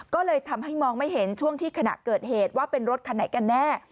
ก็เลยทำให้มองไม่เห็นช่วงที่ขณะเกิดเหตุว่าเป็นรถคันไหนกันแน่